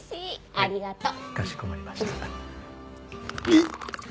ありがとう。